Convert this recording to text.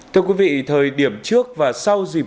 thưa quý vị thời điểm trước và sau dịp